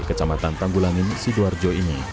kecamatan panggulangin sidoarjo ini